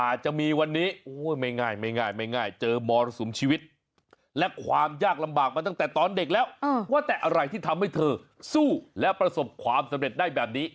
อะไรที่ทำให้เธอสู้และประสบความสำเร็จได้แบบนี้